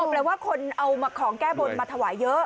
แปลว่าคนเอามาของแก้บนมาถวายเยอะ